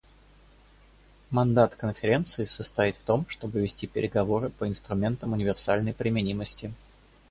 Мандат Конференции состоит в том, чтобы вести переговоры по инструментам универсальной применимости.